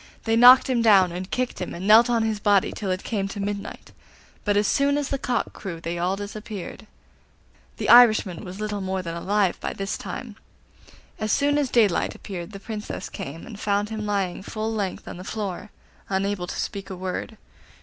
They knocked him down, and kicked him, and knelt on his body till it came to midnight; but as soon as the cock crew they all disappeared. The Irishman was little more than alive by this time. As soon as daylight appeared the Princess came, and found him lying full length on the floor, unable to speak a word.